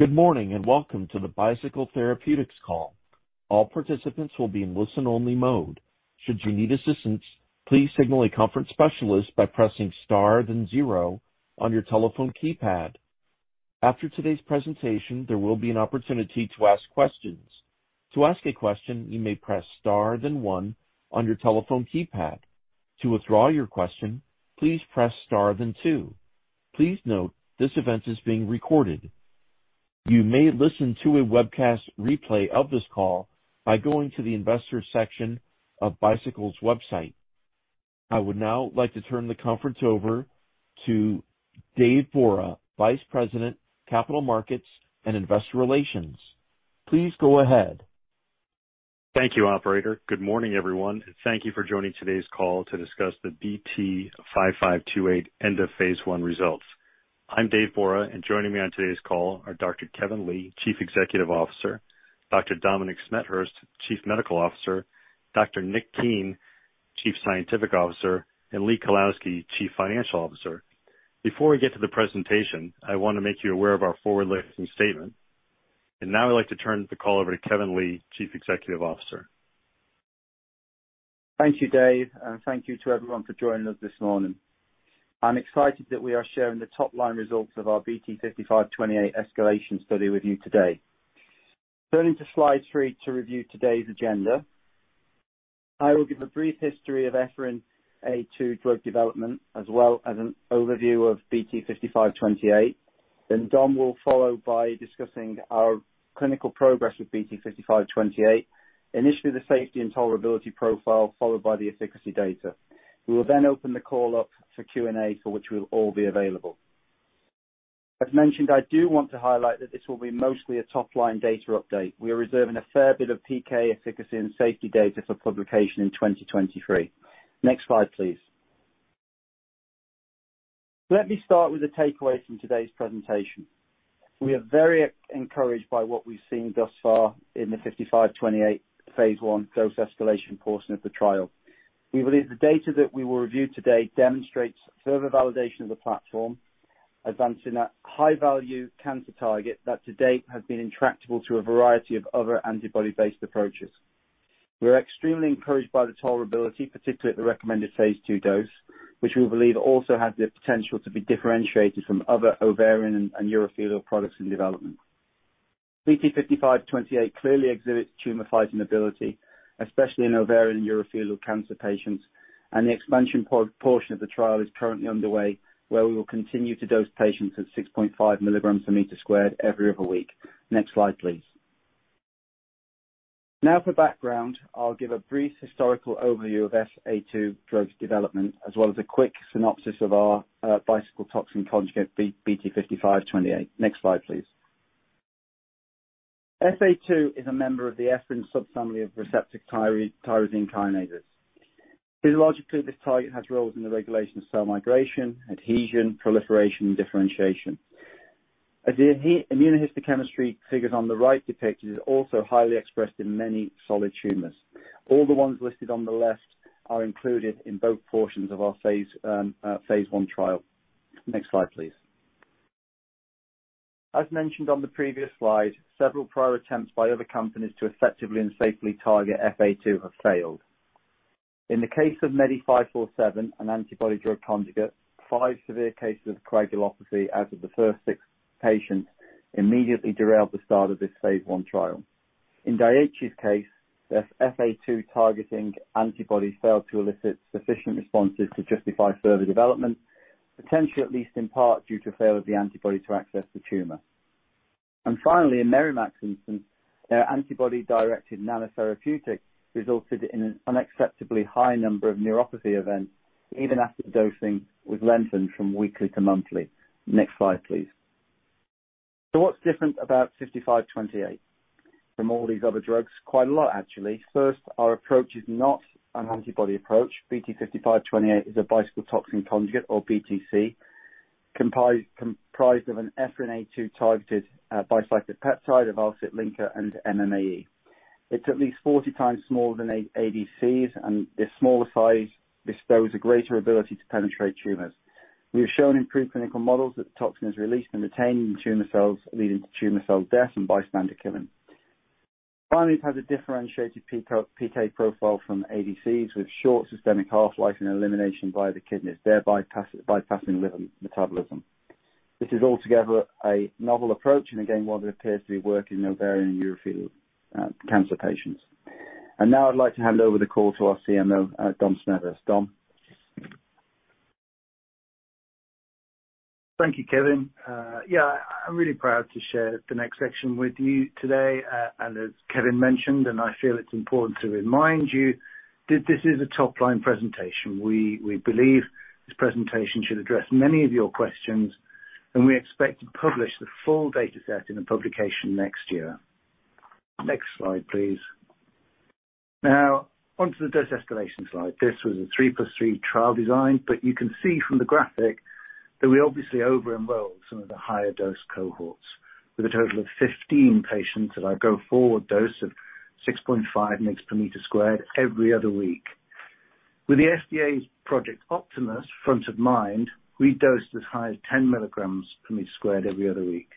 Good morning, and welcome to the Bicycle Therapeutics Call. All participants will be in listen-only mode. Should you need assistance, please signal a conference specialist by pressing star then zero on your telephone keypad. After today's presentation, there will be an opportunity to ask questions. To ask a question, you may press star then one on your telephone keypad. To withdraw your question, please press star then two. Please note this event is being recorded. You may listen to a webcast replay of this call by going to the investors section of Bicycle's website. I would now like to turn the conference over to Dave Borah, Vice President, Capital Markets and Investor Relations. Please go ahead. Thank you, operator. Good morning, everyone. Thank you for joining today's call to discuss the BT5528 end of phase I results. I'm Dave Borah, and joining me on today's call are Dr. Kevin Lee, Chief Executive Officer, Dr. Dominic Smethurst, Chief Medical Officer, Dr. Nick Keen, Chief Scientific Officer, and Lee Kalowski, Chief Financial Officer. Before we get to the presentation, I wanna make you aware of our forward-looking statement. Now I'd like to turn the call over to Kevin Lee, Chief Executive Officer. Thank you, Dave, and thank you to everyone for joining us this morning. I'm excited that we are sharing the top-line results of our BT5528 escalation study with you today. Turning to slide three to review today's agenda. I will give a brief history of EphA2 drug development as well as an overview of BT5528. Then Dom will follow by discussing our clinical progress with BT5528. Initially, the safety and tolerability profile, followed by the efficacy data. We will then open the call up for Q&A, for which we'll all be available. As mentioned, I do want to highlight that this will be mostly a top-line data update. We are reserving a fair bit of PK efficacy and safety data for publication in 2023. Next slide, please. Let me start with the takeaway from today's presentation. We are very encouraged by what we've seen thus far in the BT5528 phase I dose escalation portion of the trial. We believe the data that we will review today demonstrates further validation of the platform, advancing a high-value cancer target that to date has been intractable to a variety of other antibody-based approaches. We're extremely encouraged by the tolerability, particularly at the recommended phase II dose, which we believe also has the potential to be differentiated from other ovarian and urothelial products in development. BT5528 clearly exhibits tumor penetration ability, especially in ovarian and urothelial cancer patients, and the expansion portion of the trial is currently underway, where we will continue to dose patients at 6.5 mg/m² every other week. Next slide, please. Now for background, I'll give a brief historical overview of EphA2 drug development, as well as a quick synopsis of our bicycle toxin conjugate, BT5528. Next slide, please. EphA2 is a member of the Ephrin subfamily of receptor tyrosine kinases. Physiologically, this target has roles in the regulation of cell migration, adhesion, proliferation, and differentiation. As the immunohistochemistry figures on the right depict, it is also highly expressed in many solid tumors. All the ones listed on the left are included in both portions of our phase I trial. Next slide, please. As mentioned on the previous slide, several prior attempts by other companies to effectively and safely target EphA2 have failed. In the case of MEDI-547, an antibody-drug conjugate, five severe cases of coagulopathy out of the first six patients immediately derailed the start of this phase I trial. In Daiichi's case, the EphA2 targeting antibody failed to elicit sufficient responses to justify further development, potentially at least in part, due to failure of the antibody to access the tumor. Finally, in Merrimack's instance, their antibody-directed nanotherapeutics resulted in an unacceptably high number of neuropathy events even after the dosing was lengthened from weekly to monthly. Next slide, please. What's different about BT5528 from all these other drugs? Quite a lot, actually. First, our approach is not an antibody approach. BT5528 is a bicycle toxin conjugate or BTC comprised of an EphA2-targeted bicyclic peptide, a Val-Cit linker, and MMAE. It's at least 40x smaller than ADCs, and the smaller size bestows a greater ability to penetrate tumors. We have shown in preclinical models that the toxin is released and retained in tumor cells, leading to tumor cell death and bystander killing. Finally, it has a differentiated PK profile from ADCs with short systemic half-life and elimination via the kidneys, thereby bypassing liver metabolism. This is altogether a novel approach and again, one that appears to be working in ovarian and urothelial cancer patients. Now I'd like to hand over the call to our CMO, Dom Smethurst. Dom. Thank you, Kevin. Yeah, I'm really proud to share the next section with you today. As Kevin mentioned, I feel it's important to remind you that this is a top-line presentation. We believe this presentation should address many of your questions, and we expect to publish the full data set in a publication next year. Next slide, please. Now onto the dose escalation slide. This was a 3+3 trial design, but you can see from the graphic that we obviously over-enrolled some of the higher dose cohorts with a total of 15 patients at our go-forward dose of 6.5 mg/m² every other week. With the FDA's Project Optimus front of mind, we dosed as high as 10 mg/m² every other week,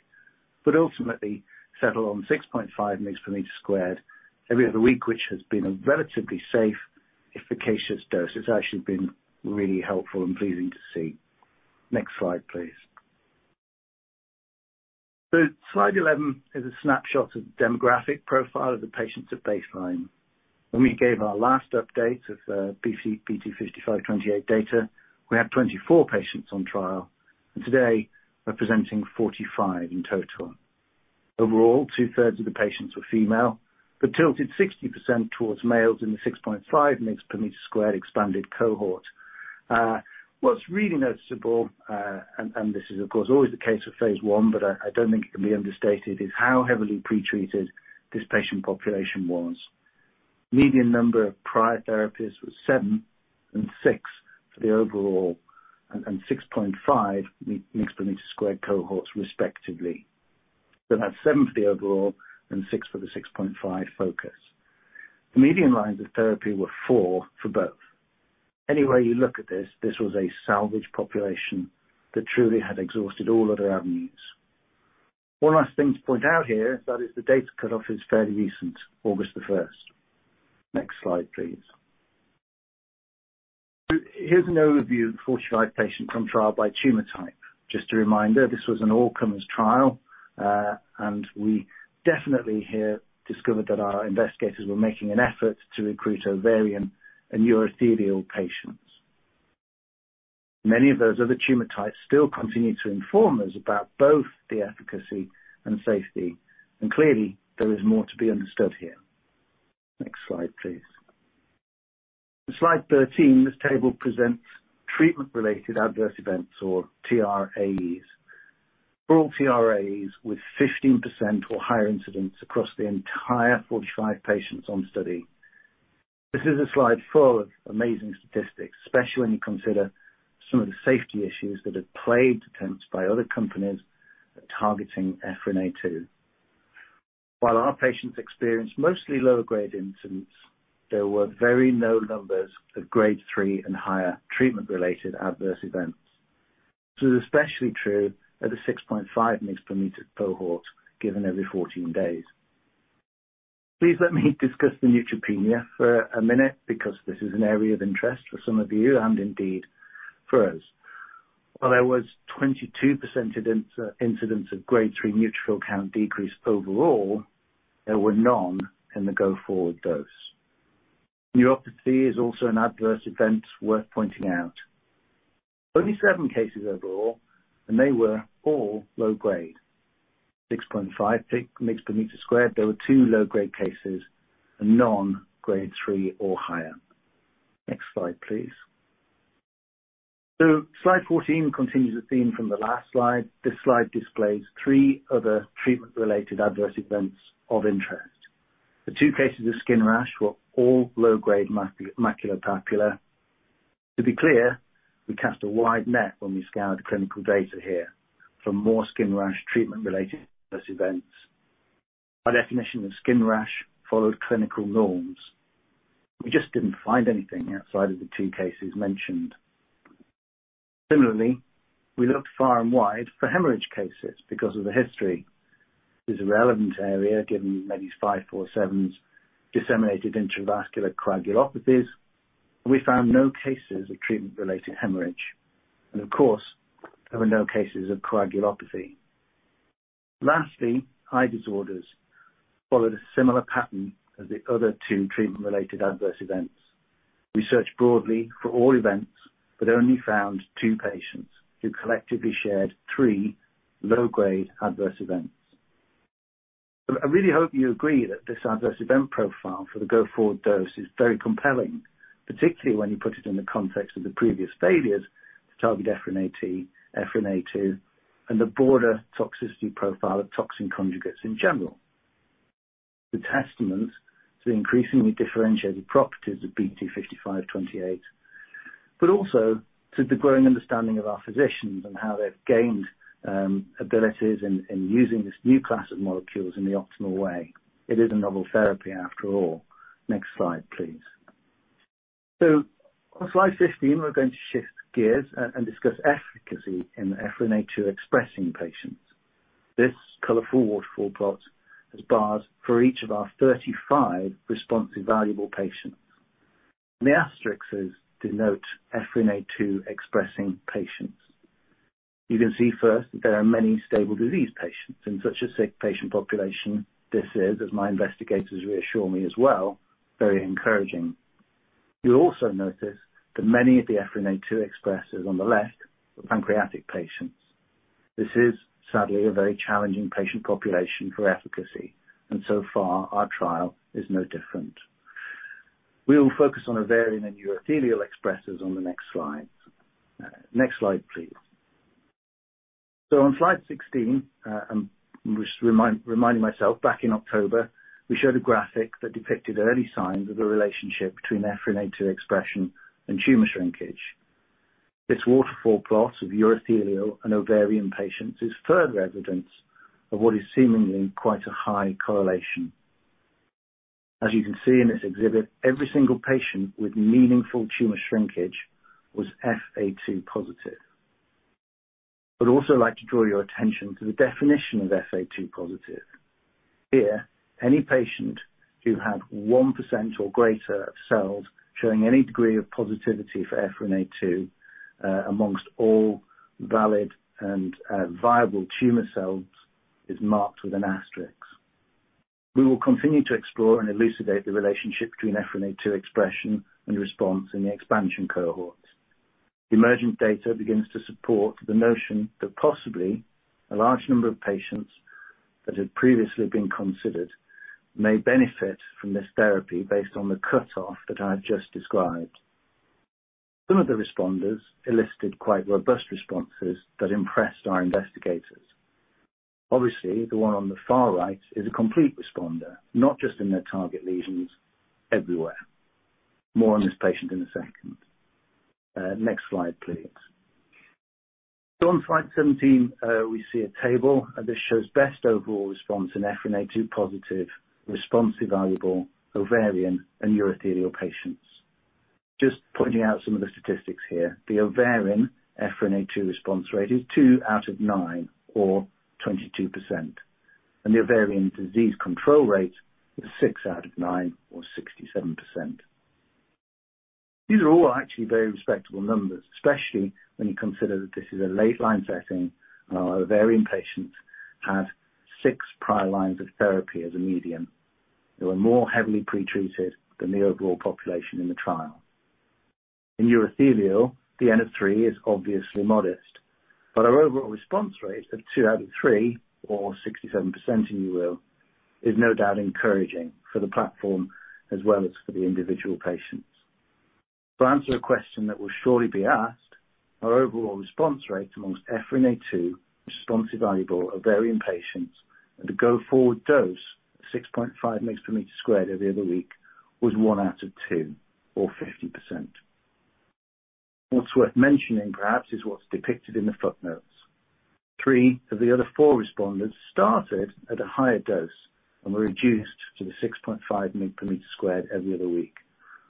but ultimately settled on 6.5 mg/m² every other week, which has been a relatively safe, efficacious dose. It's actually been really helpful and pleasing to see. Next slide, please. Slide 11 is a snapshot of demographic profile of the patients at baseline. When we gave our last update of BT5528 data, we had 24 patients on trial, and today we're presenting 45 in total. Overall, two-thirds of the patients were female, but tilted 60% toward males in the 6.5 mg/m² expanded cohort. What's really noticeable, this is of course always the case with phase I, but I don't think it can be understated, is how heavily pre-treated this patient population was. Median number of prior therapies was seven and six for the overall and 6.5 mg/m² cohorts respectively. We had seven for the overall and six for the 6.5 mg/m² dose. The median lines of therapy were four for both. Any way you look at this was a salvage population that truly had exhausted all other avenues. One last thing to point out here that is the data cutoff is fairly recent, August 1st. Next slide, please. Here's an overview of the 45 patients from trial by tumor type. Just a reminder, this was an all-comers trial, and we definitely have discovered that our investigators were making an effort to recruit ovarian and urothelial patients. Many of those other tumor types still continue to inform us about both the efficacy and safety, and clearly there is more to be understood here. Next slide, please. In Slide 13, this table presents treatment-related adverse events or TRAEs. All TRAEs with 15% or higher incidence across the entire 45 patients on study. This is a slide full of amazing statistics, especially when you consider some of the safety issues that have plagued attempts by other companies targeting EphA2. While our patients experienced mostly low-grade events, there were very few numbers of grade III and higher treatment-related adverse events. This is especially true of the 6.5 mg/m² cohort given every 14 days. Please let me discuss the neutropenia for a minute because this is an area of interest for some of you and indeed for us. While there was 22% incidence of grade III neutrophil count decreased overall, there were none in the go-forward dose. Neuropathy is also an adverse event worth pointing out. Only seven cases overall, and they were all low-grade. 6.5 mg/m², there were two low-grade cases and none grade III or higher. Next slide, please. Slide 14 continues the theme from the last slide. This slide displays three other treatment-related adverse events of interest. The two cases of skin rash were all low-grade maculopapular. To be clear, we cast a wide net when we scoured the clinical data here for more skin rash treatment-related adverse events. Our definition of skin rash followed clinical norms. We just didn't find anything outside of the two cases mentioned. Similarly, we looked far and wide for hemorrhage cases because of the history. This is a relevant area given MEDI-547's disseminated intravascular coagulation. We found no cases of treatment-related hemorrhage. Of course, there were no cases of coagulopathy. Lastly, eye disorders followed a similar pattern as the other two treatment-related adverse events. We searched broadly for all events, but only found two patients who collectively shared three low-grade adverse events. I really hope you agree that this adverse event profile for the go-forward dose is very compelling, particularly when you put it in the context of the previous failures of targeted EphA2 and the broader toxicity profile of toxin conjugates in general. It's a testament to the increasingly differentiated properties of BT5528, but also to the growing understanding of our physicians and how they've gained abilities in using this new class of molecules in the optimal way. It is a novel therapy after all. Next slide, please. On slide 15, we're going to shift gears and discuss efficacy in the EphA2-expressing patients. This colorful waterfall plot has bars for each of our 35 responsive evaluable patients, and the asterisks denote EphA2-expressing patients. You can see first that there are many stable disease patients. In such a sick patient population, this is, as my investigators reassure me as well, very encouraging. You'll also notice that many of the EphA2 expressers on the left are pancreatic patients. This is sadly a very challenging patient population for efficacy, and so far our trial is no different. We will focus on ovarian and urothelial expressers on the next slides. Next slide, please. On slide 16, I'm just reminding myself, back in October, we showed a graphic that depicted early signs of a relationship between EphA2 expression and tumor shrinkage. This waterfall plot of urothelial and ovarian patients is further evidence of what is seemingly quite a high correlation. As you can see in this exhibit, every single patient with meaningful tumor shrinkage was EphA2-positive. I'd also like to draw your attention to the definition of EphA2-positive. Here, any patient who had 1% or greater of cells showing any degree of positivity for EphA2 among all valid and viable tumor cells is marked with an asterisk. We will continue to explore and elucidate the relationship between EphA2 expression and response in the expansion cohorts. The emergent data begins to support the notion that possibly a large number of patients that had previously been considered may benefit from this therapy based on the cutoff that I've just described. Some of the responders elicited quite robust responses that impressed our investigators. Obviously, the one on the far right is a complete responder, not just in their target lesions, everywhere. More on this patient in a second. Next slide, please. On slide 17, we see a table. This shows best overall response in EphA2 positive response evaluable ovarian and urothelial patients. Just pointing out some of the statistics here, the ovarian EphA2 response rate is two out of nine or 22%, and the ovarian disease control rate is six out of nine or 67%. These are all actually very respectable numbers, especially when you consider that this is a late-line setting. Our ovarian patients had six prior lines of therapy as a median. They were more heavily pretreated than the overall population in the trial. In urothelial, the n=3 is obviously modest, but our overall response rate of two out of three, or 67% if you will, is no doubt encouraging for the platform as well as for the individual patients. To answer a question that will surely be asked, our overall response rate amongst EphA2 responsive evaluable ovarian patients at the go-forward dose, 6.5 mg/m² every other week, was one out of two or 50%. What's worth mentioning perhaps is what's depicted in the footnotes. Three of the other four responders started at a higher dose and were reduced to the 6.5 mg/m² every other week,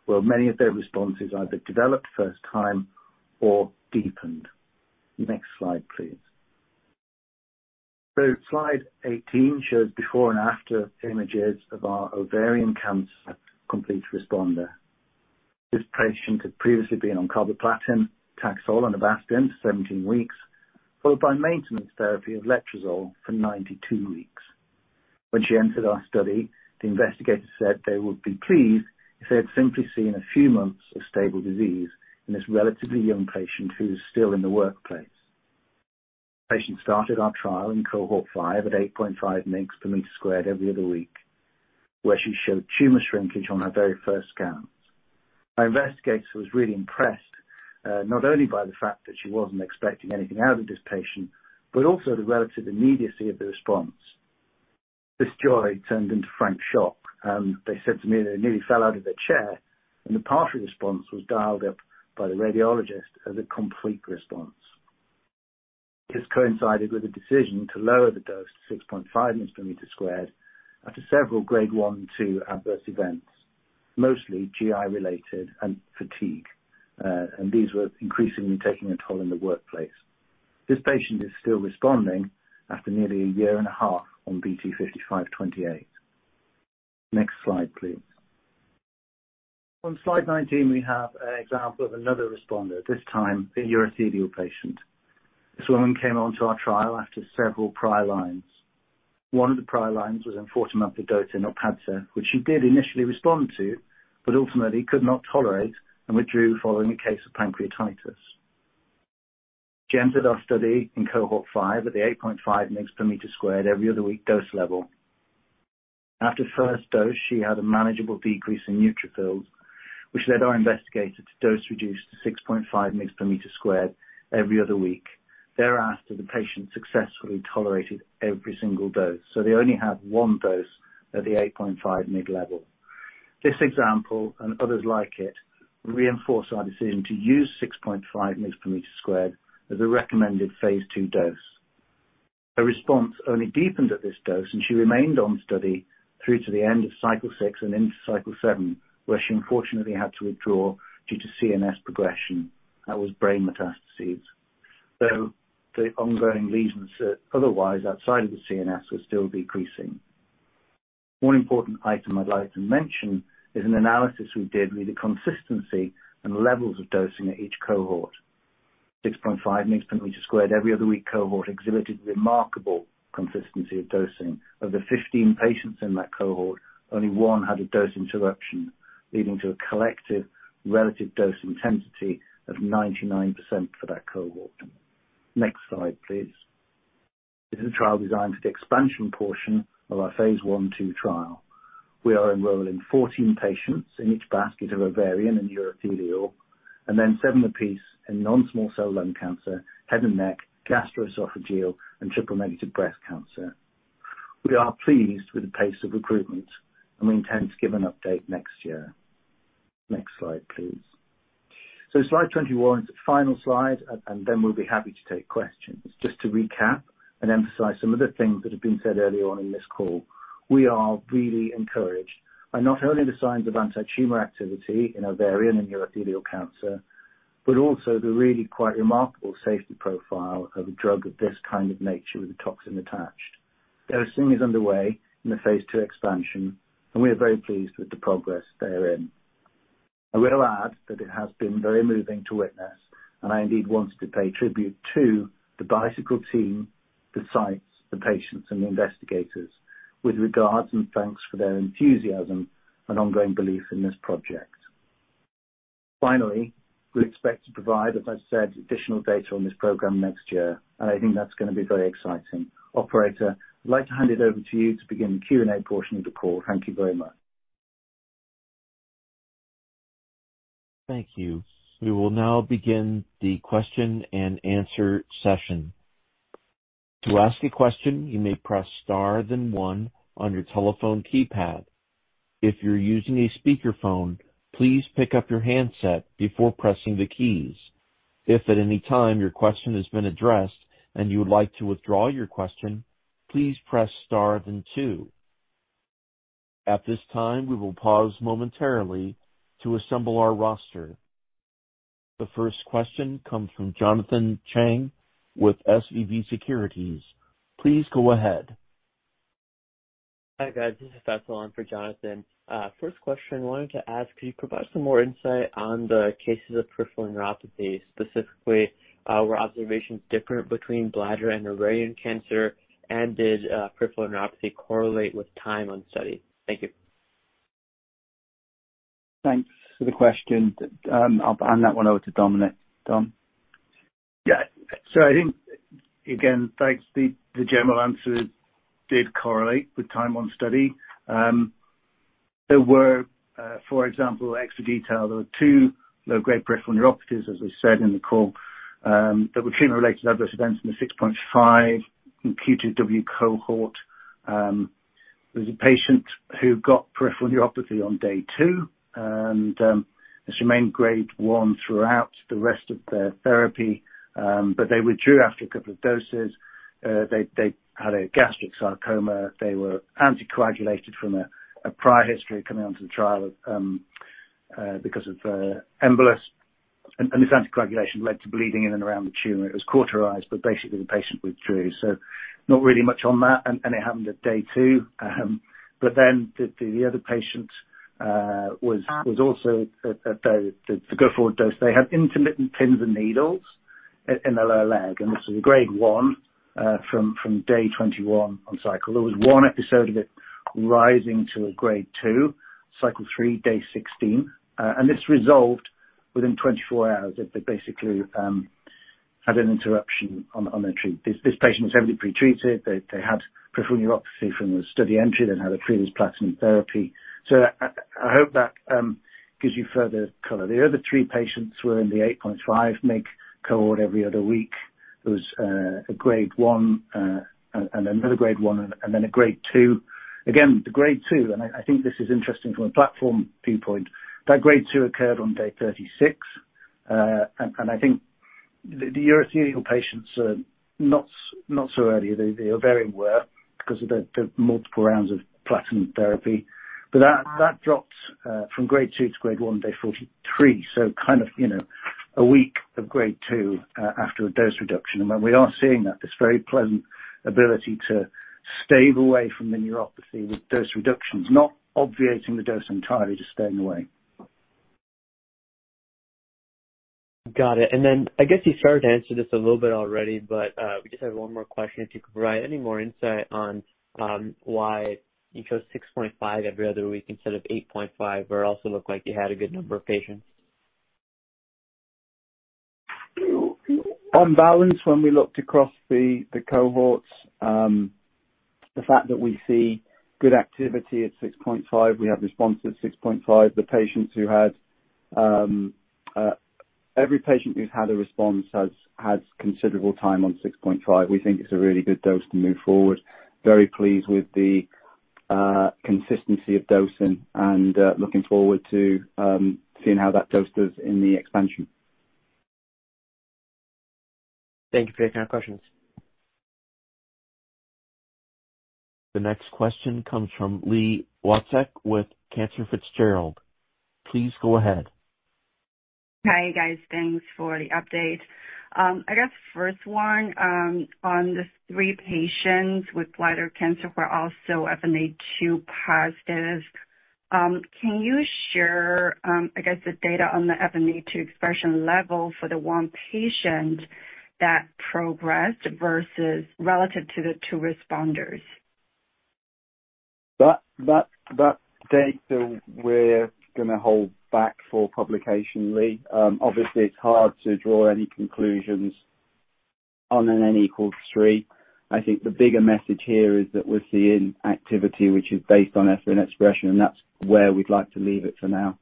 where many of their responses either developed first time or deepened. Next slide, please. Slide 18 shows before and after images of our ovarian cancer complete responder. This patient had previously been on carboplatin, Taxol and Avastin for 17 weeks, followed by maintenance therapy of letrozole for 92 weeks. When she entered our study, the investigator said they would be pleased if they had simply seen a few months of stable disease in this relatively young patient who is still in the workplace. Patient started our trial in Cohort 5 at 8.5 mg/m² every other week, where she showed tumor shrinkage on her very first scans. Our investigator was really impressed, not only by the fact that she wasn't expecting anything out of this patient, but also the relative immediacy of the response. This joy turned into frank shock, and they said to me that it nearly fell out of their chair, and the partial response was dialed up by the radiologist as a complete response. This coincided with a decision to lower the dose to 6.5 mg/m² after several grade I-II adverse events, mostly GI-related and fatigue. These were increasingly taking a toll in the workplace. This patient is still responding after nearly a year and a half on BT5528. Next slide, please. On slide 19, we have an example of another responder, this time a urothelial patient. This woman came onto our trial after several prior lines. One of the prior lines was enfortumab vedotin or PADCEV, which she did initially respond to, but ultimately could not tolerate and withdrew following a case of pancreatitis. She entered our study in Cohort 5 at the 8.5 mg/m² every other week dose level. After first dose, she had a manageable decrease in neutrophils, which led our investigator to dose reduce to 6.5 mg/m² every other week. Thereafter, the patient successfully tolerated every single dose, so they only had one dose at the 8.5 mg level. This example, and others like it, reinforced our decision to use 6.5 mg/m² as a recommended phase II dose. Her response only deepened at this dose, and she remained on study through to the end of cycle six and into cycle seven, where she unfortunately had to withdraw due to CNS progression. That was brain metastases. Though the ongoing lesions otherwise outside of the CNS were still decreasing. One important item I'd like to mention is an analysis we did with the consistency and levels of dosing at each cohort. 6.5 mg/m² every other week cohort exhibited remarkable consistency of dosing. Of the 15 patients in that cohort, only one had a dose interruption, leading to a collective relative dose intensity of 99% for that cohort. Next slide, please. This is a trial designed for the expansion portion of our phase I/II trial. We are enrolling 14 patients in each basket of ovarian and urothelial, and then seven apiece in non-small cell lung cancer, head and neck, gastroesophageal, and triple-negative breast cancer. We are pleased with the pace of recruitment, and we intend to give an update next year. Next slide, please. Slide 21 is the final slide, and then we'll be happy to take questions. Just to recap and emphasize some of the things that have been said earlier on in this call, we are really encouraged by not only the signs of anti-tumor activity in ovarian and urothelial cancer, but also the really quite remarkable safety profile of a drug of this kind of nature with the toxin attached. Dosing is underway in the phase II expansion, and we are very pleased with the progress therein. I will add that it has been very moving to witness, and I indeed want to pay tribute to the Bicycle team, the sites, the patients and the investigators with regards and thanks for their enthusiasm and ongoing belief in this project. Finally, we expect to provide, as I said, additional data on this program next year, and I think that's gonna be very exciting. Operator, I'd like to hand it over to you to begin the Q&A portion of the call. Thank you very much. Thank you. We will now begin the question and answer session. To ask a question, you may press star then one on your telephone keypad. If you're using a speakerphone, please pick up your handset before pressing the keys. If at any time your question has been addressed and you would like to withdraw your question, please press star then two. At this time, we will pause momentarily to assemble our roster. The first question comes from Jonathan Chang with SVB Securities. Please go ahead. Hi, guys. This is for Jonathan. First question I wanted to ask, could you provide some more insight on the cases of peripheral neuropathy, specifically, were observations different between bladder and ovarian cancer and did peripheral neuropathy correlate with time on study? Thank you. Thanks for the question. I'll hand that one over to Dominic. Dom? Yeah. I think, again, thanks. The general answer did correlate with time on study. There were, for example, extra detail. There were two low-grade peripheral neuropathies, as we said in the call, that were treatment-related adverse events in the 6.5 in Q2W Cohort. There was a patient who got peripheral neuropathy on day two and has remained grade one throughout the rest of their therapy, but they withdrew after a couple of doses. They had a gastric sarcoma. They were anticoagulated from a prior history coming onto the trial, because of embolus and this anticoagulation led to bleeding in and around the tumor. It was cauterized, but basically the patient withdrew. Not really much on that. It happened at day two. The other patient was also at the go-forward dose. They had intermittent pins and needles in their lower leg, and this was a grade I from day 21 on cycle. There was one episode of it rising to a grade II, cycle three, day 16. This resolved within 24 hours. It basically had an interruption in their treatment. This patient was heavily pre-treated. They had peripheral neuropathy from the study entry, then had a previous platinum therapy. I hope that gives you further color. The other three patients were in the 8.5 mg cohort every other week. There was a grade I, and another grade I, and then a grade II. Again, the grade II, and I think this is interesting from a platform viewpoint, that grade II occurred on day 36. I think the urothelial patients are not so early. They are very aware 'cause of the multiple rounds of platinum therapy. That dropped from grade II to grade I, day 43. Kind of, you know, a week of grade II after a dose reduction. When we are seeing that, this very pleasant ability to stay away from the neuropathy with dose reductions, not obviating the dose entirely, just staying away. Got it. I guess you started to answer this a little bit already, but we just have one more question. If you could provide any more insight on why you chose 6.5 every other week instead of 8.5, where it also looked like you had a good number of patients. On balance, when we looked across the cohorts, the fact that we see good activity at 6.5, we have response at 6.5. Every patient who's had a response has considerable time on 6.5. We think it's a really good dose to move forward. Very pleased with the consistency of dosing and looking forward to seeing how that dose does in the expansion. Thank you for taking our questions. The next question comes from Li Watsek with Cantor Fitzgerald. Please go ahead. Hi, guys. Thanks for the update. I guess first one, on the three patients with bladder cancer who are also EphA2-positive, can you share, I guess, the data on the EphA2 expression level for the one patient that progressed versus relative to the two responders? That data we're gonna hold back for publication, Li. Obviously it's hard to draw any conclusions on an n=3. I think the bigger message here is that we're seeing activity which is based on EpCAM expression, and that's where we'd like to leave it for now.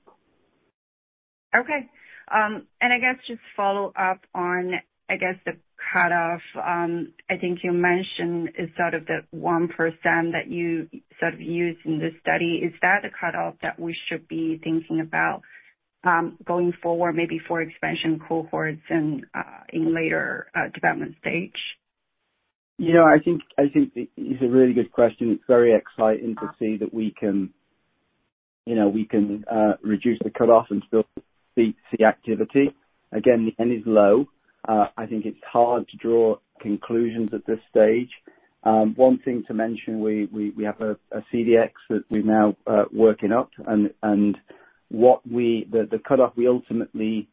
Okay. I guess just follow up on, I guess, the cutoff, I think you mentioned is sort of the 1% that you sort of used in this study. Is that a cutoff that we should be thinking about, going forward, maybe for expansion cohorts and in later development stage? You know, I think it's a really good question. It's very exciting to see that we can, you know, reduce the cutoff and still see activity. Again, N is low. I think it's hard to draw conclusions at this stage. One thing to mention, we have a CDX that we're now working up, and the cutoff we ultimately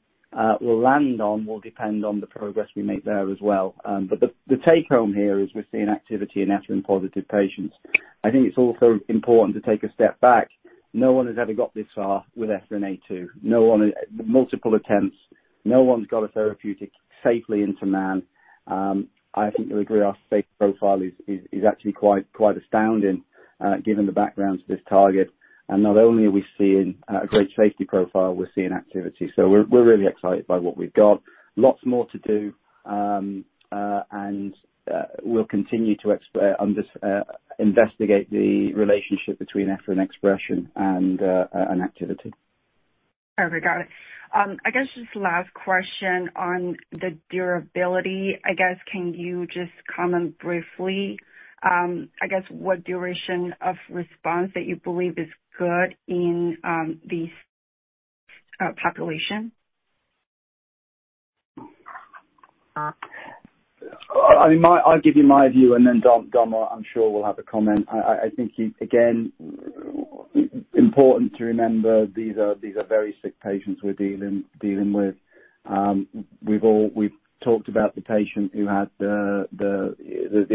will land on will depend on the progress we make there as well. The take-home here is we're seeing activity in EphA2-positive patients. I think it's also important to take a step back. No one has ever got this far with EphA2. No one, multiple attempts, no one's got a therapeutic safely into man. I think you'll agree our safety profile is actually quite astounding, given the background to this target. Not only are we seeing a great safety profile, we're seeing activity. We're really excited by what we've got. Lots more to do, and we'll continue to investigate the relationship between EphA2 expression and activity. Perfect, got it. I guess just last question on the durability. I guess can you just comment briefly, I guess what duration of response that you believe is good in, these population? I mean, I'll give you my view, and then Dom, I'm sure, will have a comment. I think, again, important to remember these are very sick patients we're dealing with. We've talked about the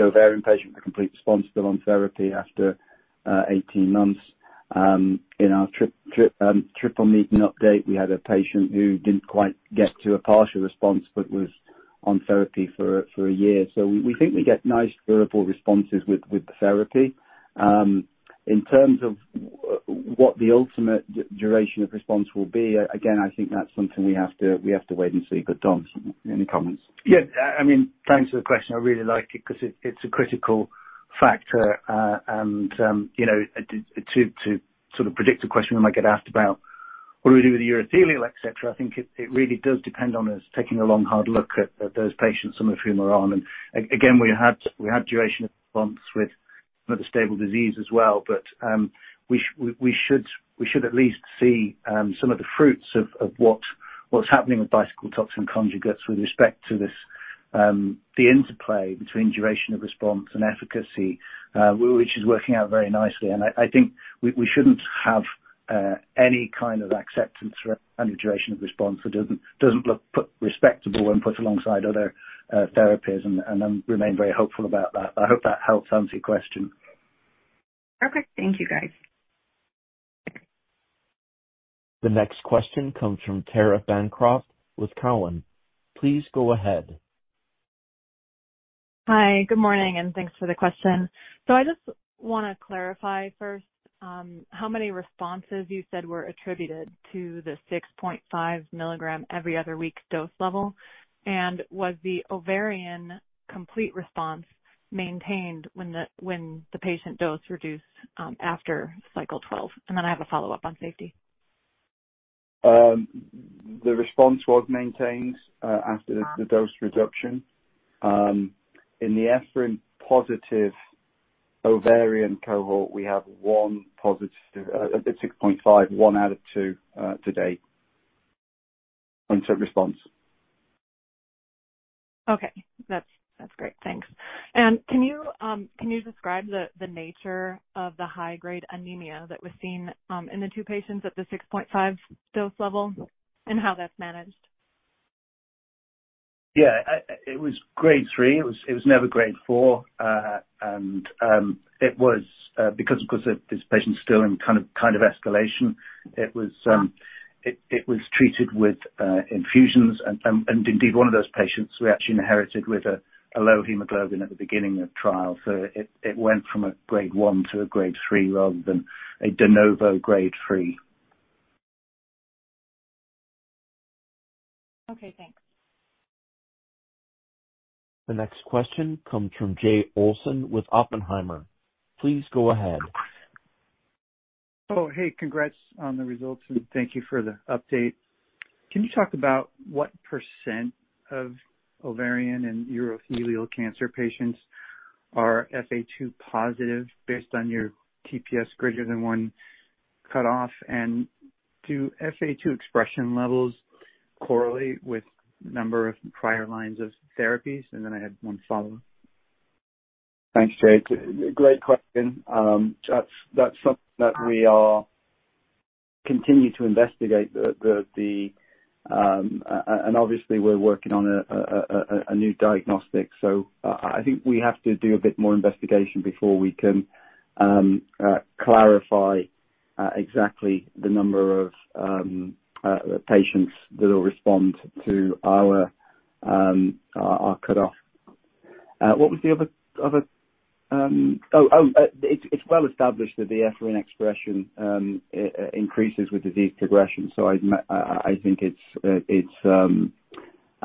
ovarian patient with a complete response still on therapy after 18 months. In our triple meeting update, we had a patient who didn't quite get to a partial response, but was on therapy for a year. We think we get nice durable responses with the therapy. In terms of what the ultimate duration of response will be, again, I think that's something we have to wait and see. Dom, any comments? Yeah. I mean, thanks for the question. I really like it, 'cause it's a critical factor. To sort of predict a question I might get asked about what do we do with urothelial et cetera, I think it really does depend on us taking a long, hard look at those patients, some of whom are on. We had duration of response with another stable disease as well. We should at least see some of the fruits of what's happening with Bicycle Toxin Conjugates with respect to this, the interplay between duration of response and efficacy, which is working out very nicely. I think we shouldn't have any kind of acceptance for any duration of response that doesn't look respectable when put alongside other therapies, and I remain very hopeful about that. I hope that helps answer your question. Perfect. Thank you, guys. The next question comes from Tara Bancroft with Cowen. Please go ahead. Hi. Good morning, and thanks for the question. I just wanna clarify first, how many responses you said were attributed to the 6.5 mg every other week dose level, and was the ovarian complete response maintained when the patient dose reduced, after cycle 12? And then I have a follow-up on safety. The response was maintained after the dose reduction. In the EphA2-positive ovarian cohort, we have one positive at 6.5, one out of two to date, complete response. Okay. That's great. Thanks. Can you describe the nature of the high-grade anemia that was seen in the two patients at the 6.5 dose level and how that's managed? Yeah. It was grade III. It was never grade IV. Because this patient's still in kind of escalation, it was treated with infusions. Indeed one of those patients we actually inherited with a low hemoglobin at the beginning of trial. It went from a grade I to a grade III rather than a de novo grade III. Okay, thanks. The next question comes from Jay Olson with Oppenheimer. Please go ahead. Oh, hey, congrats on the results, and thank you for the update. Can you talk about what percent of ovarian and urothelial cancer patients are EphA2-positive based on your TPS greater than one cutoff? Do EphA2 expression levels correlate with number of prior lines of therapies? I had one follow-up. Thanks, Jay. Great question. That's something that we are continuing to investigate and obviously we're working on a new diagnostic. I think we have to do a bit more investigation before we can clarify exactly the number of patients that'll respond to our cutoff. It's well established that the EphA2 expression increases with disease progression. I think it's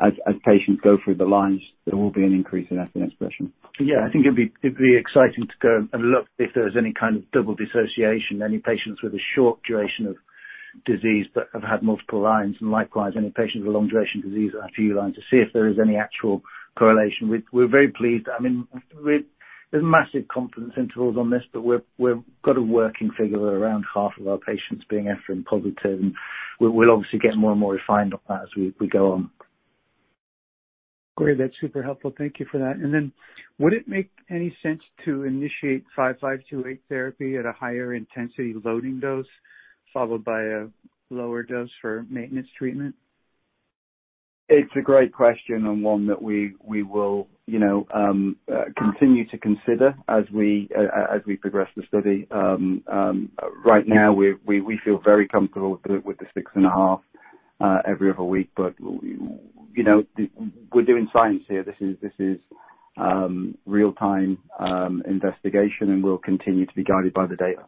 as patients go through the lines, there will be an increase in EphA2 expression. I think it'd be exciting to go and look if there's any kind of double dissociation, any patients with a short duration of disease that have had multiple lines, and likewise, any patients with long duration disease and a few lines to see if there is any actual correlation. We're very pleased. I mean, there's massive confidence intervals on this, but we've got a working figure of around half of our patients being EphA2-positive, and we'll obviously get more and more refined on that as we go on. Great. That's super helpful. Thank you for that. Would it make any sense to initiate BT5528 therapy at a higher intensity loading dose followed by a lower dose for maintenance treatment? It's a great question and one that we will, you know, continue to consider as we progress the study. Right now, we feel very comfortable with the 6.5 every other week. You know, we're doing science here. This is real-time investigation, and we'll continue to be guided by the data.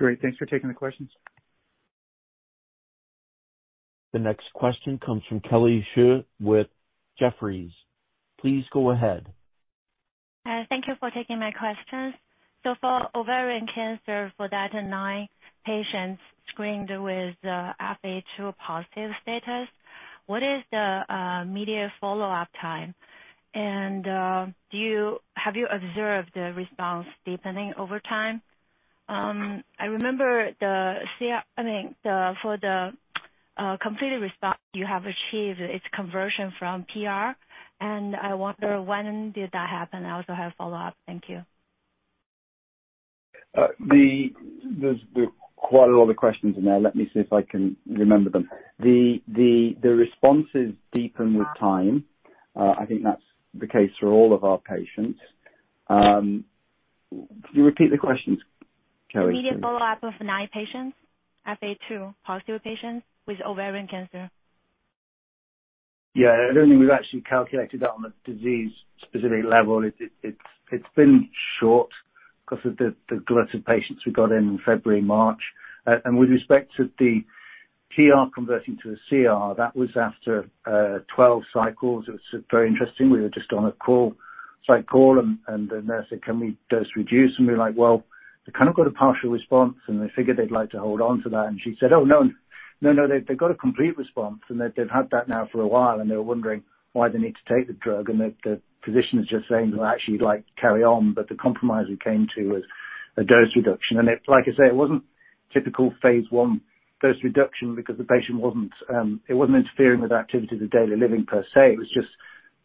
Great. Thanks for taking the questions. The next question comes from Kelly Shi with Jefferies. Please go ahead. Thank you for taking my questions. For ovarian cancer, for that nine patients screened with EphA2-positive status, what is the median follow-up time? Have you observed the response deepening over time? I remember the CR, I mean, for the complete response you have achieved, it's conversion from PR, and I wonder when did that happen. I also have follow-up. Thank you. There's quite a lot of questions in there. Let me see if I can remember them. The responses deepen with time. I think that's the case for all of our patients. Could you repeat the questions, Kelly, please? Immediate follow-up of nine patients, EphA2-positive patients with ovarian cancer. Yeah. I don't think we've actually calculated that on a disease-specific level. It's been short 'cause of the glut of patients we got in in February, March. With respect to the PR converting to a CR, that was after 12 cycles. It was very interesting. We were just on a call, site call, and the nurse said, "Can we dose reduce?" We're like, "Well, they kind of got a partial response," and they figured they'd like to hold on to that. She said, "Oh, no. No, no, they've got a complete response," and they've had that now for a while, and they were wondering why they need to take the drug. The physician is just saying, "Well, actually, we'd like to carry on," but the compromise we came to was a dose reduction. Like I say, it wasn't typical phase I dose reduction because the patient wasn't, it wasn't interfering with activities of daily living per se. It was just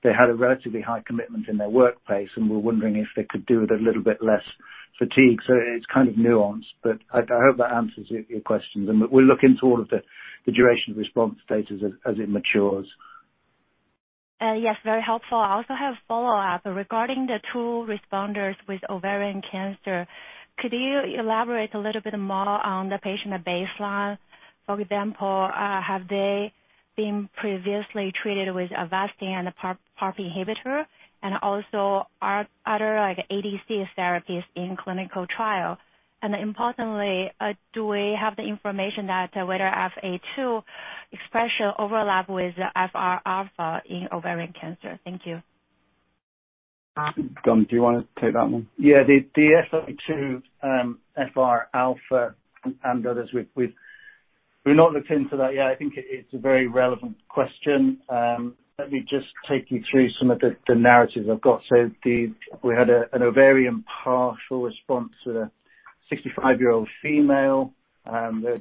they had a relatively high commitment in their workplace and were wondering if they could do with a little bit less fatigue. It's kind of nuanced, but I hope that answers your questions. We'll look into all of the duration of response data as it matures. Yes, very helpful. I also have follow-up. Regarding the two responders with ovarian cancer, could you elaborate a little bit more on the patient baseline? For example, have they been previously treated with Avastin and a PARP inhibitor? Also, are other, like, ADCs therapies in clinical trial? Importantly, do we have the information that whether EphA2 expression overlap with FRα in ovarian cancer? Thank you. Dom, do you wanna take that one? Yeah. The EphA2, FRα and others, we've not looked into that yet. I think it's a very relevant question. Let me just take you through some of the narratives I've got. We had an ovarian partial response with a 65-year-old female,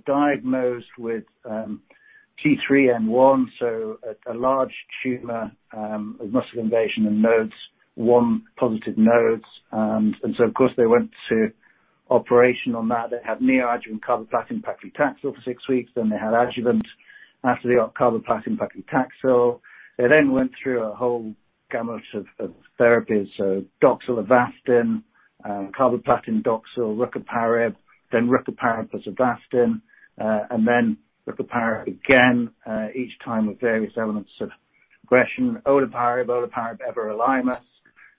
diagnosed with T3N1, so a large tumor with muscle invasion and nodes, one positive node. Of course they went to operation on that. They had neoadjuvant carboplatin paclitaxel for six weeks. They had adjuvant after the carboplatin paclitaxel. They went through a whole gamut of therapies, so Doxil Avastin, carboplatin Doxil rucaparib, then rucaparib plus Avastin, and then rucaparib again, each time with various elements of progression. Olaparib, everolimus.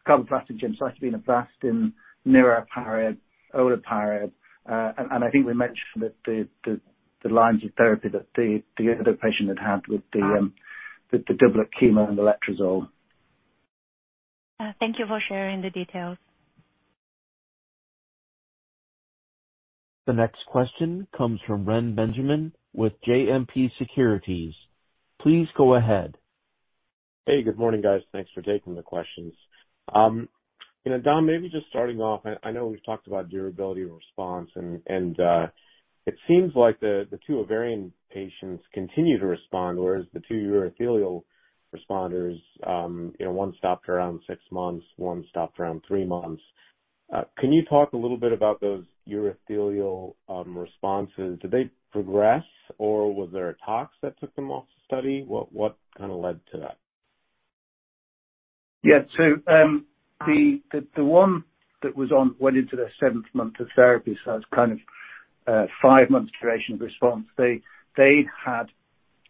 Carboplatin gemcitabine Avastin, niraparib, olaparib.I think we mentioned that the lines of therapy that the other patient had had with the doublet chemo and the letrozole. Thank you for sharing the details. The next question comes from Reni Benjamin with JMP Securities. Please go ahead. Hey. Good morning, guys. Thanks for taking the questions. You know, Dom, maybe just starting off, I know we've talked about durability of response and it seems like the two ovarian patients continue to respond, whereas the two urothelial responders, you know, one stopped around six months, one stopped around three months. Can you talk a little bit about those urothelial responses? Did they progress, or was there a tox that took them off the study? What kinda led to that? The one that was on went into their seventh month of therapy. That's five months duration of response. They had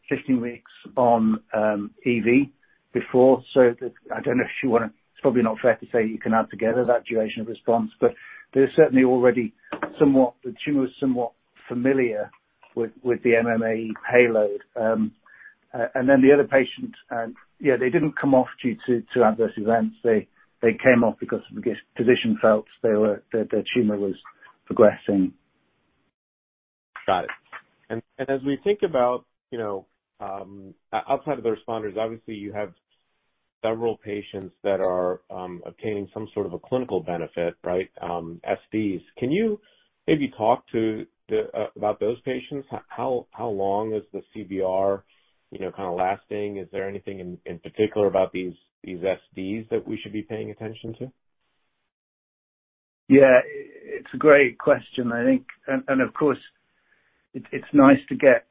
15 weeks on EV before. I don't know if you wanna. It's probably not fair to say you can add together that duration of response, but they're certainly already, the tumor's somewhat familiar with the MMAE payload. The other patient, they didn't come off due to adverse events. They came off because the physician felt that their tumor was progressing. Got it. As we think about, you know, outside of the responders, obviously you have several patients that are obtaining some sort of a clinical benefit, right? SDs. Can you maybe talk about those patients? How long is the CBR, you know, kinda lasting? Is there anything in particular about these SDs that we should be paying attention to? Yeah. It's a great question. I think of course, it's nice to get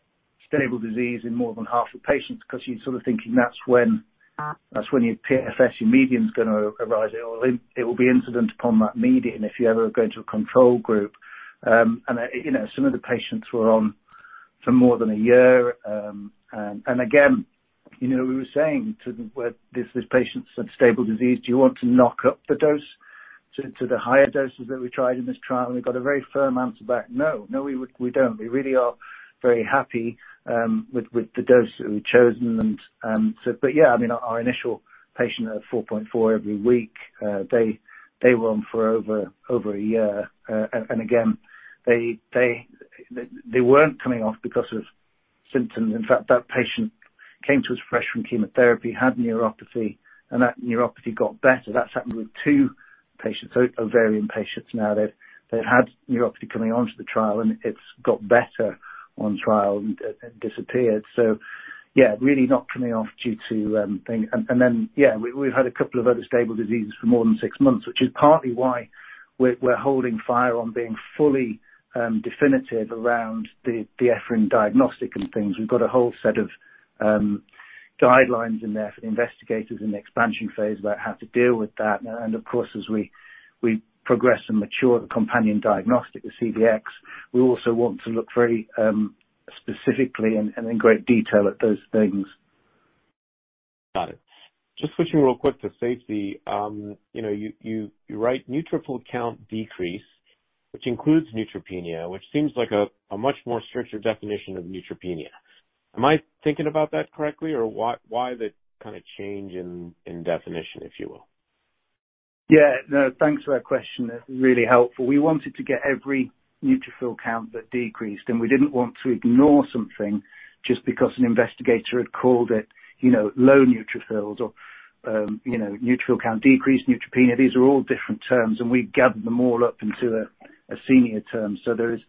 stable disease in more than half the patients, 'cause you're sort of thinking that's when your PFS, your median's gonna arise. It will be incumbent upon that median if you ever go to a control group. You know, some of the patients were on for more than a year. You know, we were saying to these patients with stable disease, "Do you want to knock up the dose to the higher doses that we tried in this trial?" We got a very firm answer back, "No. We would, we don't. We really are very happy with the dose that we've chosen. Yeah, I mean, our initial patient at 4.4 every week, they were on for over a year. Again, they weren't coming off because of symptoms. In fact, that patient came to us fresh from chemotherapy, had neuropathy, and that neuropathy got better. That's happened with two patients. Ovarian patients now. They've had neuropathy coming onto the trial, and it's got better on trial and disappeared. Yeah, really not coming off due to things. Then, yeah, we've had a couple of other stable diseases for more than six months, which is partly why we're holding fire on being fully definitive around the EphA2 diagnostic and things. We've got a whole set of guidelines in there for the investigators in the expansion phase about how to deal with that. Of course, as we progress and mature the companion diagnostic, the CDX, we also want to look very specifically and in great detail at those things. Got it. Just switching real quick to safety. You know, you write neutrophil count decrease, which includes neutropenia, which seems like a much more stricter definition of neutropenia. Am I thinking about that correctly, or why the kinda change in definition, if you will? Yeah. No, thanks for that question. That's really helpful. We wanted to get every neutrophil count that decreased, and we didn't want to ignore something just because an investigator had called it, you know, low neutrophils or, you know, neutrophil count decrease, neutropenia. These are all different terms, and we gathered them all up into a senior term. So there is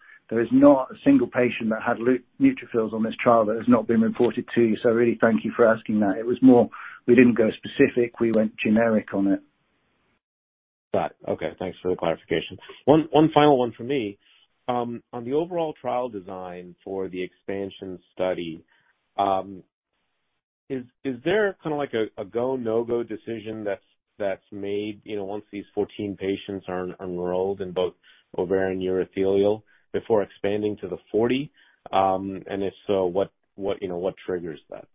not a single patient that had neutrophils on this trial that has not been reported to. So really, thank you for asking that. It was more, we didn't go specific. We went generic on it. Got it. Okay. Thanks for the clarification. One final one for me. On the overall trial design for the expansion study, is there kinda like a go, no-go decision that's made, you know, once these 14 patients are enrolled in both ovarian urothelial before expanding to the 40? And if so, what, you know, what triggers that?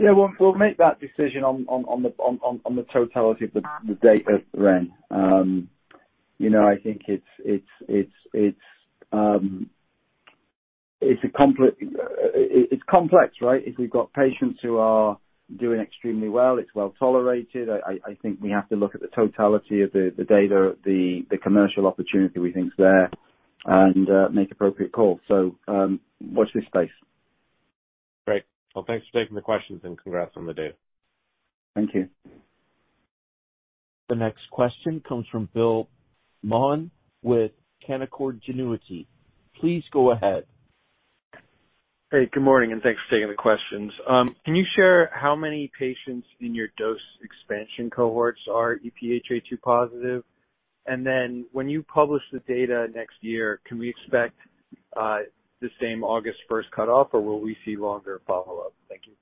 Yeah. We'll make that decision on the totality of the data, Reni. You know, I think it's complex, right? If we've got patients who are doing extremely well, it's well-tolerated. I think we have to look at the totality of the data, the commercial opportunity we think is there, and make appropriate calls. Watch this space. Great. Well, thanks for taking the questions, and congrats on the data. Thank you. The next question comes from Bill Maughan with Canaccord Genuity. Please go ahead. Hey, good morning, and thanks for taking the questions. Can you share how many patients in your dose expansion cohorts are EphA2-positive? When you publish the data next year, can we expect the same August 1st cutoff, or will we see longer follow-up? Thank you.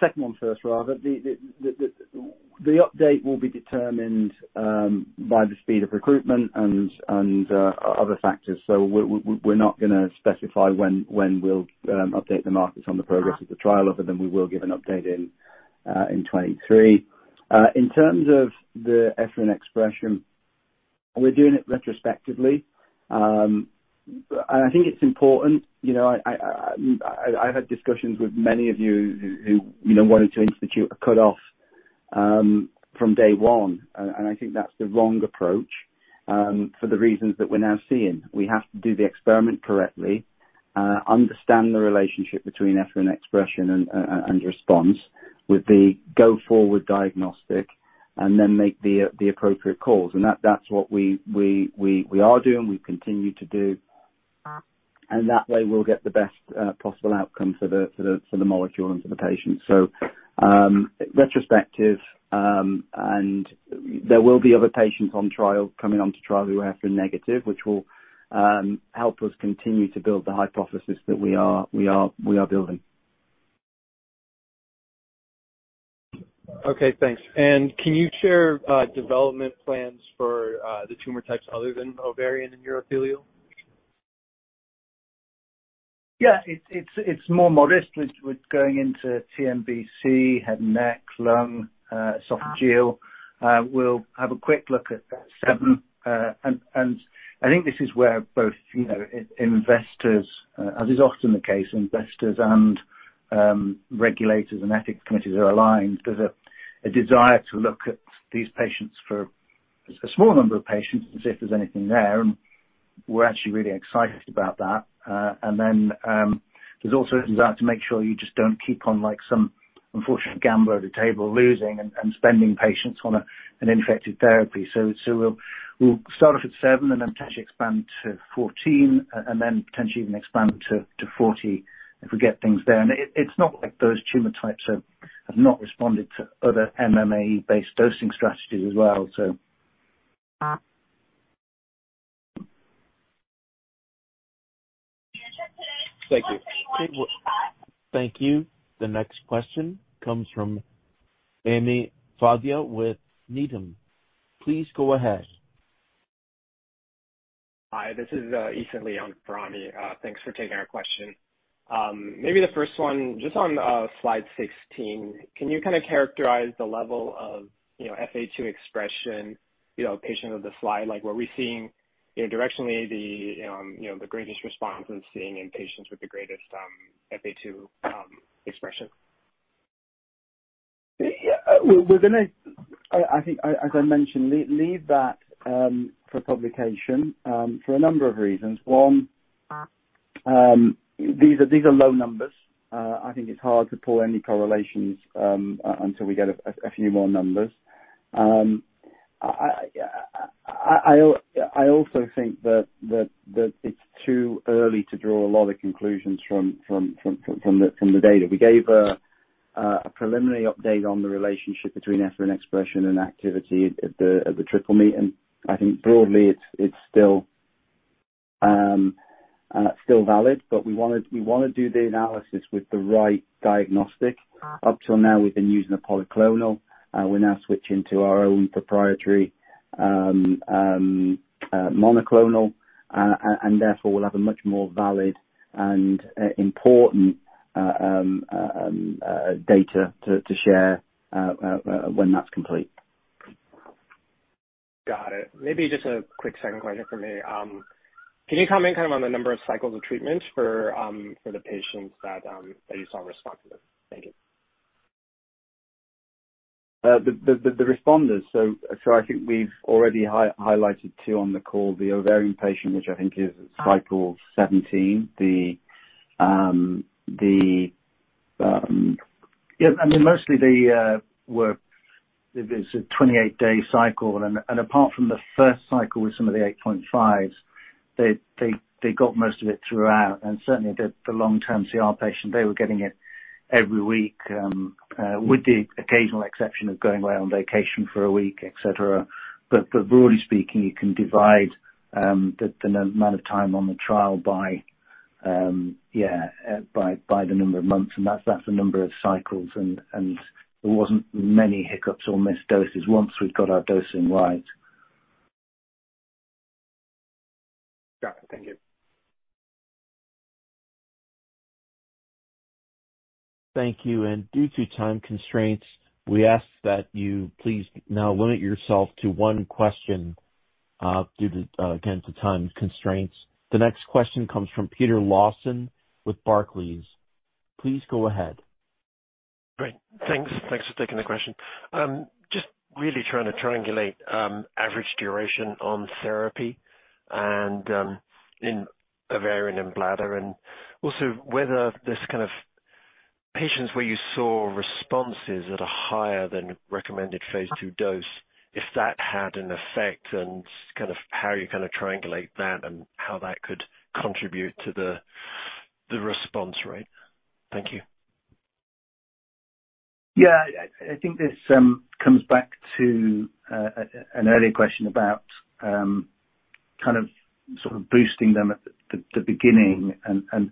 Second one first, rather. The update will be determined by the speed of recruitment and other factors. We're not gonna specify when we'll update the markets on the progress of the trial, other than we will give an update in 2023. In terms of the EphA2 expression, we're doing it retrospectively, but I think it's important, you know, I've had discussions with many of you who, you know, wanted to institute a cutoff from day one. I think that's the wrong approach for the reasons that we're now seeing. We have to do the experiment correctly, understand the relationship between ephrin expression and response with the go forward diagnostic, and then make the appropriate calls. That's what we are doing, we continue to do, and that way we'll get the best possible outcome for the molecule and for the patients. Retrospective, and there will be other patients on trial, coming onto trial who are ephrin negative, which will help us continue to build the hypothesis that we are building. Okay, thanks. Can you share development plans for the tumor types other than ovarian and urothelial? Yeah. It's more modest with going into TNBC, head and neck, lung, esophageal. We'll have a quick look at seven. I think this is where both, you know, investors, as is often the case, investors and regulators and ethics committees are aligned. There's a desire to look at these patients for a small number of patients, and see if there's anything there, and we're actually really excited about that. There's also a desire to make sure you just don't keep on, like some unfortunate gambler at the table losing and spending patients on an ineffective therapy. We'll start off at seven and then potentially expand to 14, and then potentially even expand to 40 if we get things there. It's not like those tumor types have not responded to other MMAE-based dosing strategies as well, so. Thank you. Thank you. The next question comes from Ami Fadia with Needham. Please go ahead. Hi, this is Isa Leon Ferrami. Thanks for taking our question. Maybe the first one just on slide 16, can you kinda characterize the level of, you know, EphA2 expression, you know, patient of the slide? Like, were we seeing, you know, directionally the, you know, the greatest response in seeing in patients with the greatest, EphA2, expression? We're gonna, I think, as I mentioned, leave that for publication for a number of reasons. One, these are low numbers. I think it's hard to pull any correlations until we get a few more numbers. I also think that it's too early to draw a lot of conclusions from the data. We gave a preliminary update on the relationship between EphA2 expression and activity at the Triple Meeting, and I think broadly it's still valid. We wanna do the analysis with the right diagnostic. Up till now, we've been using a polyclonal. We're now switching to our own proprietary monoclonal and therefore we'll have a much more valid and important data to share when that's complete. Got it. Maybe just a quick second question from me. Can you comment kind of on the number of cycles of treatments for the patients that you saw responded to? Thank you. The responders. I think we've already highlighted two on the call, the ovarian patient, which I think is cycle 17. I mean, mostly they were. It was a 28-day cycle and apart from the first cycle with some of the 8.5s, they got most of it throughout. Certainly the long-term CR patient, they were getting it every week with the occasional exception of going away on vacation for a week, et cetera. Broadly speaking, you can divide the amount of time on the trial by the number of months, and that's the number of cycles and there wasn't many hiccups or missed doses once we'd got our dosing right. Got it. Thank you. Thank you, due to time constraints, we ask that you please now limit yourself to one question. The next question comes from Peter Lawson with Barclays. Please go ahead. Great. Thanks. Thanks for taking the question. Just really trying to triangulate average duration on therapy and in ovarian and bladder, and also whether there's kind of patients where you saw responses at a higher than recommended phase II dose, if that had an effect, and kind of how you kind of triangulate that and how that could contribute to the response rate. Thank you. Yeah. I think this comes back to an earlier question about kind of sort of boosting them at the beginning and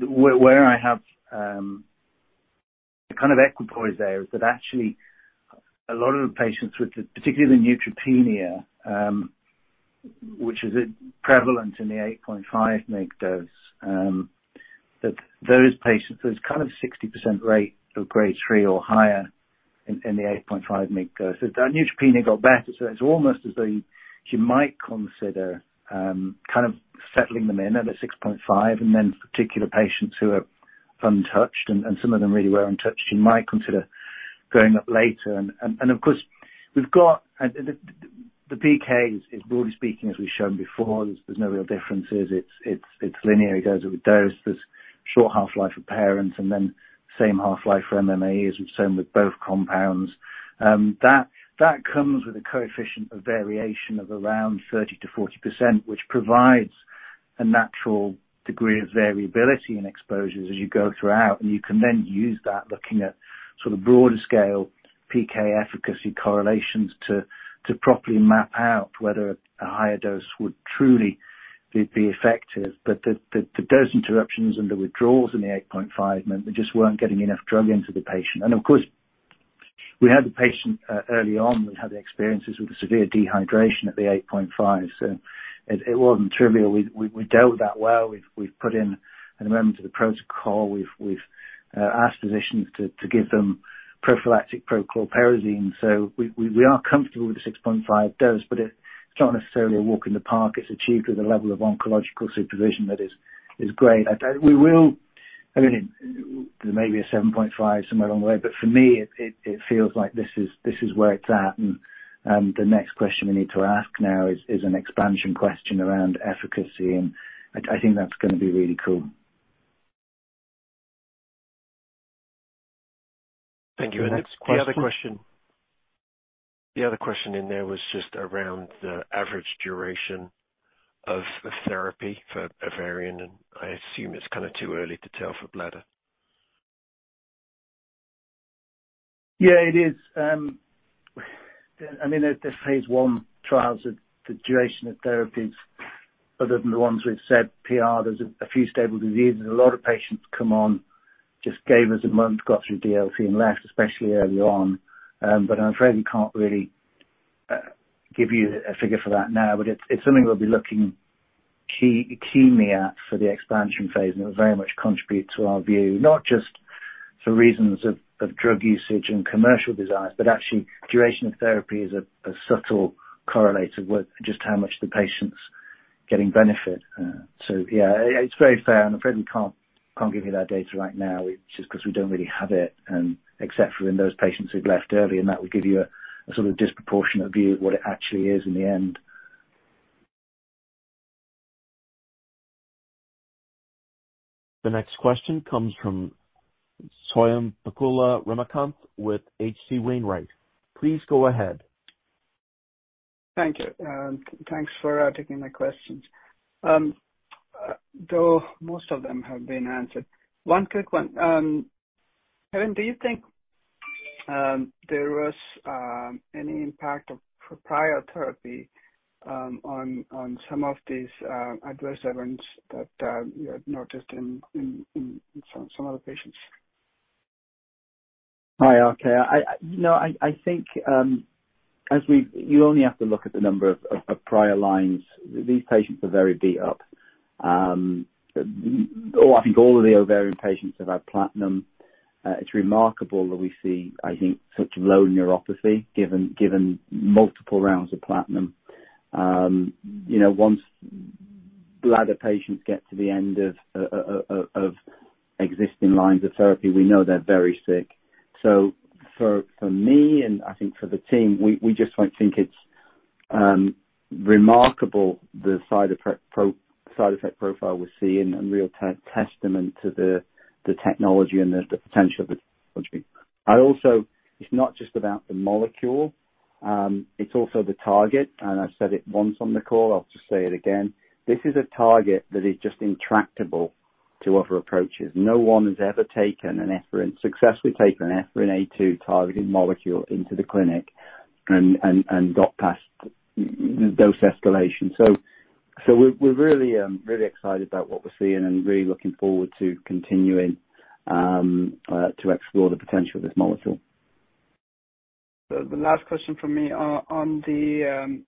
where I have the kind of equipoise there is that actually a lot of the patients with particularly the neutropenia which is prevalent in the 8.5 mg dose that those patients there's kind of 60% rate of grade three or higher in the 8.5 mg dose. So the neutropenia got better, so it's almost as though you might consider kind of settling them in at a 6.5, and then particular patients who are untouched, and some of them really were untouched, you might consider going up later. Of course we've got The PK is broadly speaking, as we've shown before, there's no real differences. It's linear. It goes with dose. There's short half-life of parent and then same half-life for MMAE as we've seen with both compounds. That comes with a coefficient of variation of around 30%-40%, which provides a natural degree of variability in exposures as you go throughout, and you can then use that looking at sort of broader scale-PK efficacy correlations to properly map out whether a higher dose would truly be effective. But the dose interruptions and the withdrawals in the 8.5 meant we just weren't getting enough drug into the patient. Of course, early on, we had the experiences with the severe dehydration at the 8.5, so it wasn't trivial. We dealt with that well. We've put in an amendment to the protocol. We've asked physicians to give them prophylactic prochlorperazine. We are comfortable with the 6.5 dose, but it's not necessarily a walk in the park. It's achieved with a level of oncological supervision that is great. I mean, there may be a 7.5 somewhere along the way, but for me it feels like this is where it's at. The next question we need to ask now is an expansion question around efficacy, and I think that's gonna be really cool. Thank you. The next question. The other question in there was just around the average duration of therapy for ovarian, and I assume it's kinda too early to tell for bladder. Yeah, it is. I mean, the phase I trials, the duration of therapy, other than the ones we've said PR, there's a few stable diseases. A lot of patients come on, just gave us a month, got through DLT and left, especially early on. I'm afraid we can't really give you a figure for that now. It's something we'll be looking keenly at for the expansion phase, and it will very much contribute to our view, not just for reasons of drug usage and commercial desires, but actually duration of therapy is a subtle correlator with just how much the patient's getting benefit. Yeah, it's very fair, and I'm afraid we can't give you that data right now, just 'cause we don't really have it, except for in those patients who've left early, and that would give you a sort of disproportionate view of what it actually is in the end. The next question comes from Swayampakula Ramakanth with H.C. Wainwright. Please go ahead. Thank you, and thanks for taking my questions. Though most of them have been answered. One quick one. Kevin, do you think there was any impact of prior therapy on some of these adverse events that you had noticed in some of the patients? Hi, R.K. I think you only have to look at the number of prior lines. These patients are very beat up. I think all of the ovarian patients have had platinum. It's remarkable that we see, I think, such low neuropathy given multiple rounds of platinum. You know, once bladder patients get to the end of existing lines of therapy, we know they're very sick. So for me, and I think for the team, we just don't think it's remarkable the side effect profile we're seeing and real testament to the technology and the potential of the therapy. I also. It's not just about the molecule, it's also the target. I've said it once on the call, I'll just say it again. This is a target that is just intractable to other approaches. No one has ever successfully taken an EphA2 targeted molecule into the clinic and got past dose escalation. We're really excited about what we're seeing and really looking forward to continuing to explore the potential of this molecule. The last question from me. On the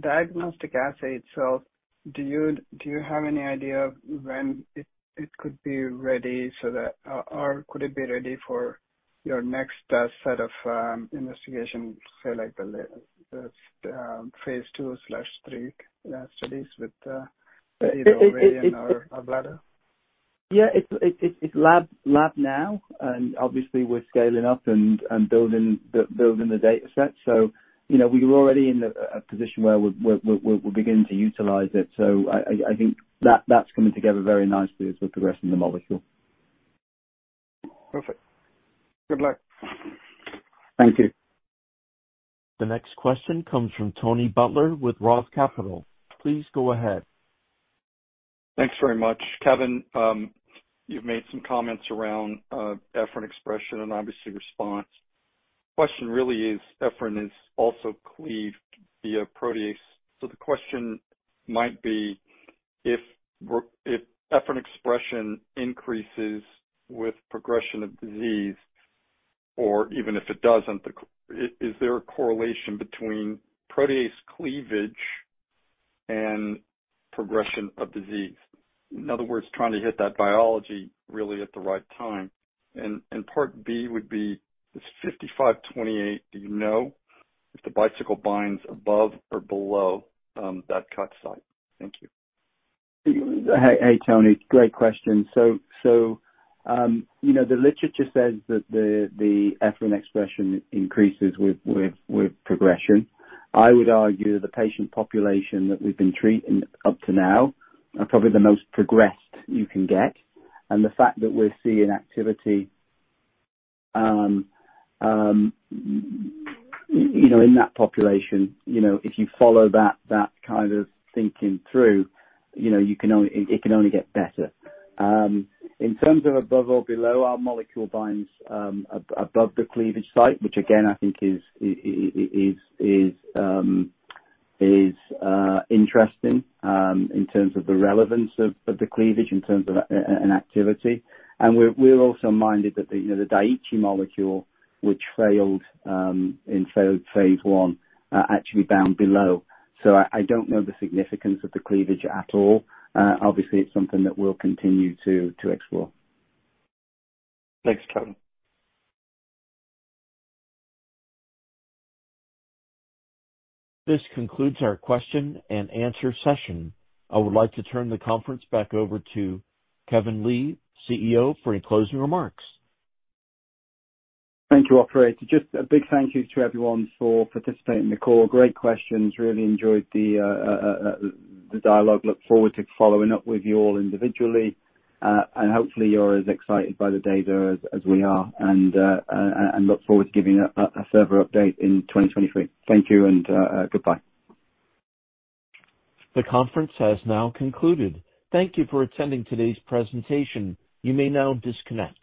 diagnostic assay itself, do you have any idea when it could be ready? Or could it be ready for your next set of investigation, say like the phase II/III studies with either ovarian or bladder? Yeah. It's lab now. Obviously we're scaling up and building the dataset. You know, we're already in a position where we're beginning to utilize it. I think that's coming together very nicely as we're progressing the molecule. Perfect. Good luck. Thank you. The next question comes from Tony Butler with ROTH Capital. Please go ahead. Thanks very much. Kevin, you've made some comments around EphA2 expression and obviously response. Question really is, EphA2 is also cleaved via protease. So the question might be, if EphA2 expression increases with progression of disease or even if it doesn't, is there a correlation between protease cleavage and progression of disease? In other words, trying to hit that biology really at the right time. Part B would be, BT5528, do you know if the Bicycle binds above or below that cut site? Thank you. Hey, Tony. Great question. The literature says that the EphA2 expression increases with progression. I would argue the patient population that we've been treating up to now are probably the most progressed you can get. The fact that we're seeing activity, you know, in that population, you know, if you follow that kind of thinking through, you know, you can only get better. In terms of above or below, our molecule binds above the cleavage site, which again, I think is interesting in terms of the relevance of the cleavage in terms of an activity. We're also minded that you know, the Daiichi molecule, which failed in phase I, actually bound below. I don't know the significance of the cleavage at all. Obviously it's something that we'll continue to explore. Thanks, Kevin. This concludes our question and answer session. I would like to turn the conference back over to Kevin Lee, CEO, for any closing remarks. Thank you, operator. Just a big thank you to everyone for participating in the call. Great questions. Really enjoyed the dialogue. Look forward to following up with you all individually, and hopefully you're as excited by the data as we are, and look forward to giving a further update in 2023. Thank you, and goodbye. The conference has now concluded. Thank you for attending today's presentation. You may now disconnect.